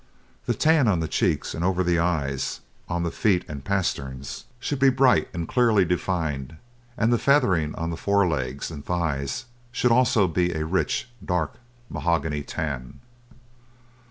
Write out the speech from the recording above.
The tan on the cheeks and over the eyes, on the feet and pasterns, should be bright and clearly defined, and the feathering on the fore legs and thighs should also be a rich, dark mahogany tan.